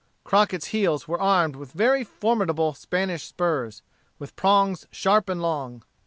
Crockett's heels were armed with very formidable Spanish spurs, with prongs sharp and long.